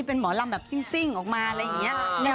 ภาคการะดู